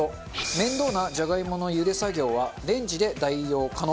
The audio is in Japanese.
面倒なジャガイモの茹で作業はレンジで代用可能。